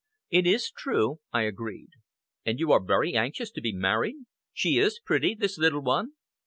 "It is true," I agreed. "And you are very anxious to be married! She is pretty, this little one?"